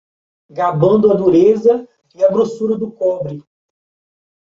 Gabando a dureza e a grossura do cobre